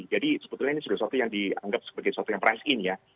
jadi sebetulnya ini sudah sesuatu yang dianggap sebagai sesuatu yang price in ya